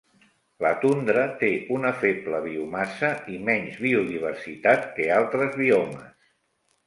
La tundra té una feble biomassa i menys biodiversitat que altres biomes.